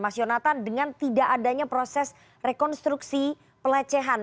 mas yonatan dengan tidak adanya proses rekonstruksi pelecehan